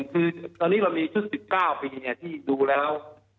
คือตอนนี้เรามีชุด๑๙ปีที่ดูแล้ว